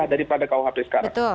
daripada rkuhp sekarang